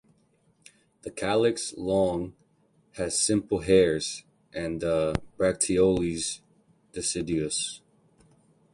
The calyx long has simple hairs and the bracteoles deciduous.